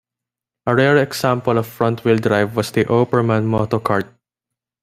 A rare example of front wheel drive was the Opperman Motocart.